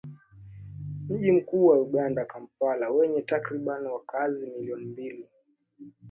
Mji mkuu wa Uganda, Kampala wenye takribani wakazi milioni mbili.